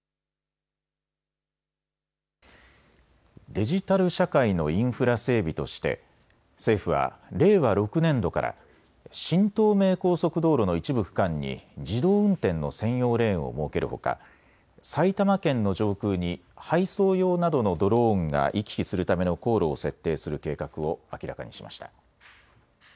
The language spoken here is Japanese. デジタル社会のインフラ整備として政府は令和６年度から新東名高速道路の一部区間に自動運転の専用レーンを設けるほか、埼玉県の上空に配送用などのドローンが行き来するための航路を設定する計画を明らかにしました。